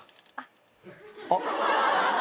あっ。